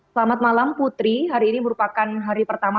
selamat malam putri hari ini merupakan hari pertama